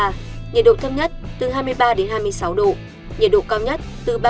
nhiệt độ thâm nhất từ hai mươi ba hai mươi sáu độ nhiệt độ cao nhất từ ba mươi hai ba mươi năm độ